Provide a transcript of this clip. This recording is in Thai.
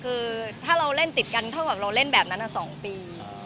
คือถ้าเราเล่นติดกันเท่ากับเราเล่นแบบนั้น๒ปี